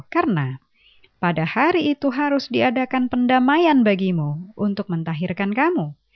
karena pada hari itu harus diadakan pendamaian bagimu untuk mentahirkan kamu